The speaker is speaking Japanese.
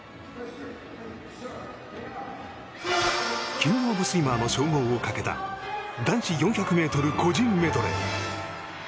キング・オブ・スイマーの称号をかけた男子４００ｍ個人メドレー。